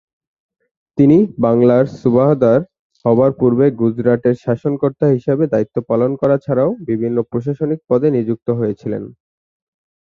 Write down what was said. তিনি বাংলার সুবাহদার হবার পূর্বে গুজরাটের শাসনকর্তা হিসেবে দায়িত্ব পালন করা ছাড়াও বিভিন্ন প্রশাসনিক পদে নিযুক্ত হয়েছিলেন।